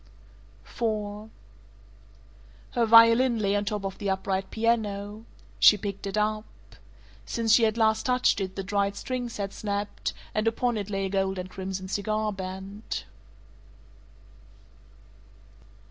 IV Her violin lay on top of the upright piano. She picked it up. Since she had last touched it the dried strings had snapped, and upon it lay a gold and crimson cigar band.